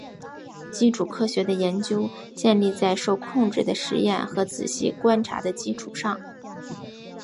基础科学的研究建立在受控制的实验和仔细观察的基础上。